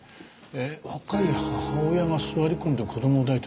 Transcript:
若い母親が座り込んで子供を抱いてる。